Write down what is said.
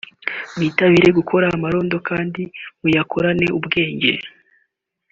mwitabire gukora amarondo kandi muyakorane ubwenge